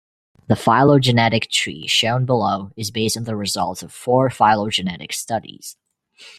The phylogenetic tree shown below is based on the results of four phylogenetic studies.